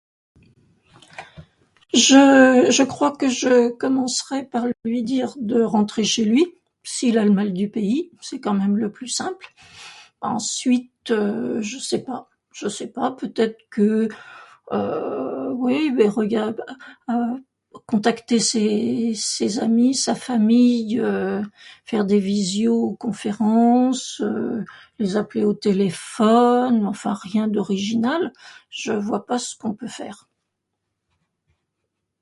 Je... je crois que je commencerais par lui dire de rentrer chez lui. S'il a le mal du pays, c'est quand même le plus simple. Ensuite, heu, je sais pas. Je sais pas. Peut-être que, heu, oui, beh regard... contacter ses... ses amis, sa famille, heu, faire des visio-conférences, les appeler au téléphone, enfin rien d'original. Je vois pas ce qu'on peut faire.